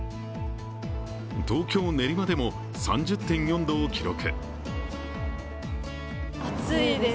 東京・練馬でも３０．４度を記録。